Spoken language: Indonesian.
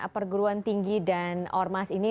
perguruan tinggi dan ormas ini